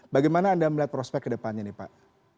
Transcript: bagaimana anda melihat prospek kedepannya nih pak